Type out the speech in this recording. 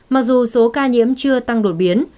mặc dù số ca nhiễm chưa tăng đột biến